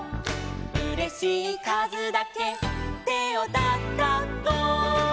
「うれしいかずだけてをたたこ」